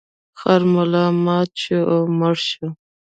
خر ملا ماته شوه او مړ شو.